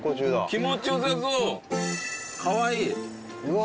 気持ちよさそうかわいいうわ